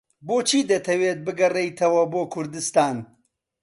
بۆچی دەتەوێت بگەڕێیتەوە بۆ کوردستان؟